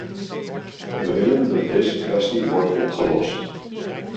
We willen dat deze kwestie wordt opgelost.